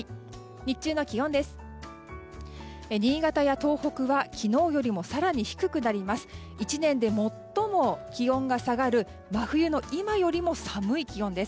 日中の気温です。